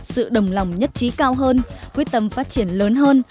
sự đồng lòng nhất trí cao hơn quyết tâm phát triển lớn hơn